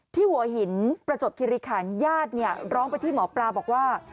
หัวหินประจวบคิริขันญาติร้องไปที่หมอปลาบอกว่า